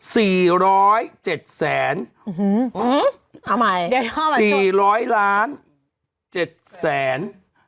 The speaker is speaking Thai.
๔๐๗แสนอื้อฮืออื้อฮือเอาใหม่